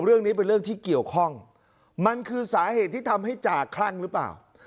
เรื่องนี้เป็นเรื่องที่เกี่ยวข้องมันคือสาเหตุที่ทำให้จ่าคลั่งหรือเปล่า